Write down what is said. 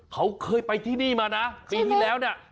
เขาเคยไปที่นี่มานะปีที่แล้วเนี่ย